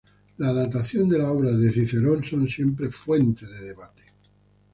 La datación de las obras de Cicerón son siempre fuente de debate.